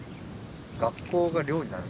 学校が寮になる？